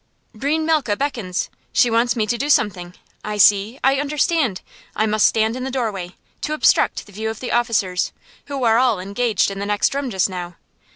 Breine Malke beckons. She wants me to do something. I see I understand. I must stand in the doorway, to obstruct the view of the officers, who are all engaged in the next room just now.